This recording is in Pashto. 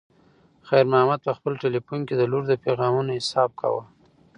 خیر محمد په خپل تلیفون کې د لور د پیغامونو حساب کاوه.